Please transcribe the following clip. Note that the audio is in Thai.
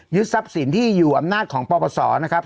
ทรัพย์สินที่อยู่อำนาจของปปศนะครับ